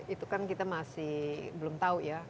itu kan kita masih belum tahu ya